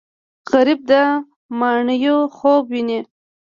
غریب د ماڼیو خوب ویني